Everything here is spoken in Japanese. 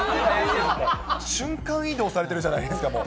瞬間移動されてるじゃないですか、もう。